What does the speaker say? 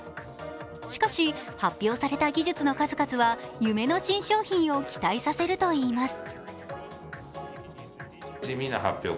しかし発表された技術の数々は夢の新商品を期待させるといいます。